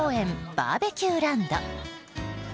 バーベキューランド。